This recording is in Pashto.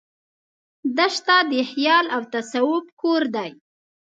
دښته د خیال او تصوف کور دی.